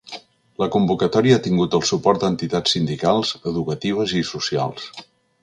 La convocatòria ha tingut el suport d’entitats sindicals, educatives i socials.